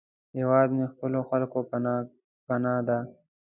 هیواد مې د خپلو خلکو پناه ده